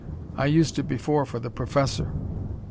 I used it before for the Professor."